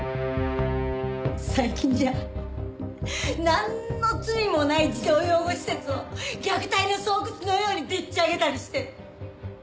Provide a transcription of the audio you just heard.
最近じゃなんの罪もない児童養護施設を虐待の巣窟のようにでっち上げたりして。